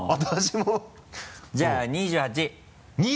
じゃあ２８位！